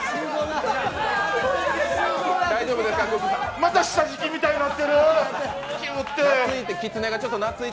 また下敷きみたいになってる。